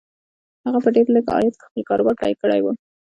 هغه په ډېر لږ عاید خپل کاروبار پیل کړی و